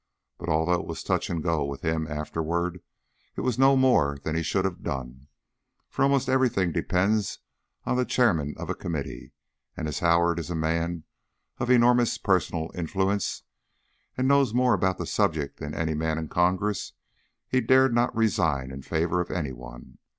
But although it was touch and go with him afterward, it was no more than he should have done, for almost everything depends on the Chairman of a Committee; and as Howard is a man of enormous personal influence and knows more about the subject than any man in Congress, he dared not resign in favour of any one.